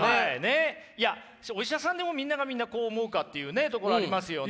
いやお医者さんでもみんながみんなこう思うかっていうところありますよね。